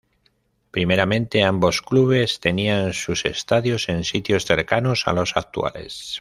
Primeramente, ambos clubes tenían sus estadios en sitios cercanos a los actuales.